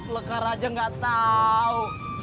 lekar aja gak tau